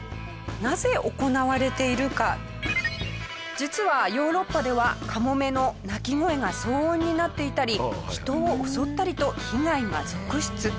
実はヨーロッパではカモメの鳴き声が騒音になっていたり人を襲ったりと被害が続出。